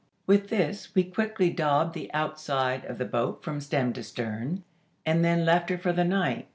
"With this we thickly daubed the outside of the boat from stem to stern, and then left her for the night.